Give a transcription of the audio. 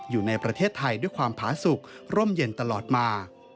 อยู่ในประเทศไทยด้วยความผาสุขร่มเย็นตลอดมา